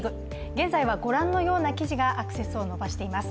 現在はご覧のような記事がアクセスを伸ばしています。